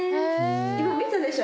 今見たでしょ？